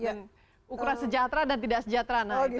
ukuran sejahtera dan tidak sejahtera